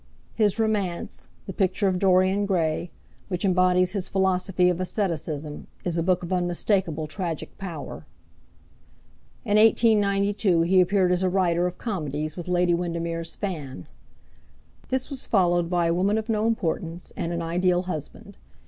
His romance, The Picture of Dorian Gray, which embodies his philosophy of aestheticism, is a book of unmistakable tragic power. In 1892 he appeared as a writer of comedies with Lady Windermere's Fan. This was followed by A Woman of No Importance and An Ideal Husband.